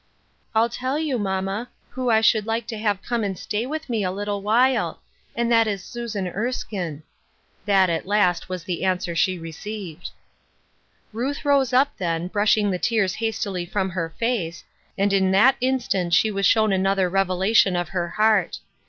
" I'll tell you, mamma, who I should like to have come and stay with me a little while ; and that is BELATED WORK. 247 Susan Erskine." That, at last, was the answer she received. Ruth rose up, then, brushing the tears hastily from her face, and in that instant she was shown another revelation of her heart.